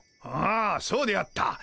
ああそうであった。